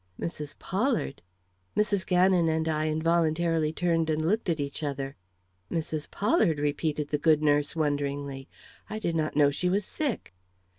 Mrs. Pollard! Mrs. Gannon and I involuntarily turned and looked at each other. "Mrs. Pollard!" repeated the good nurse, wonderingly. "I did not know she was sick."